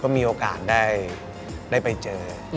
มีโอกาสได้ไปเจอ